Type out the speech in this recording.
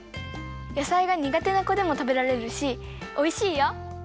やさいがにがてなこでもたべられるしおいしいよ。